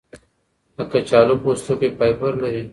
د کچالو پوستکی فایبر لري.